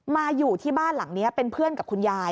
มาอยู่ที่บ้านหลังนี้เป็นเพื่อนกับคุณยาย